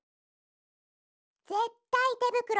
ぜったいてぶくろ。